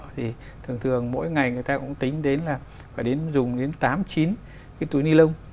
thì thường thường mỗi ngày người ta cũng tính đến là phải dùng đến tám chín cái túi ni lông